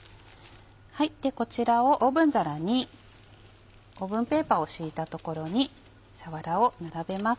こちらをオーブン皿にオーブンペーパーを敷いた所にさわらを並べます。